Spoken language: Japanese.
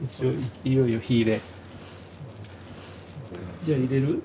じゃあ入れる？